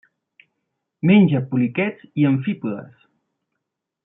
Menja poliquets i amfípodes.